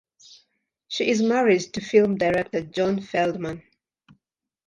She is married to film director John Feldman.